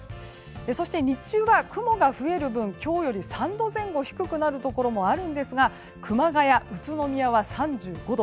そして、日中は雲が増える分今日より３度前後低くなるところもあるんですが熊谷、宇都宮は３５度。